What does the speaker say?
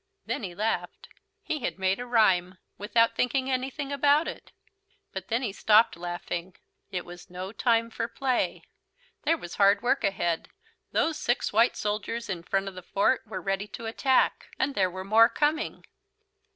Then he laughed. He had made a rhyme without thinking anything about it. But he stopped laughing. It was no time for play. There was hard work ahead. Those six white soldiers in front of the fort were ready to attack. And there were more coming.